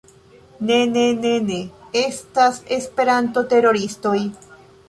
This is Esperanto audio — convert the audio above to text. Ne, ne, ne, ne estas Esperanto-teroristoj